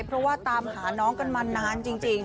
เพราะว่าตามหาน้องกันมานานจริง